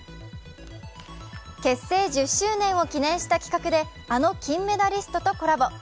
結成１０周年を記念した企画であの金メダリストとコラボ。